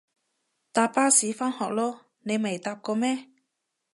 搭巴士返學囉，你未搭過咩？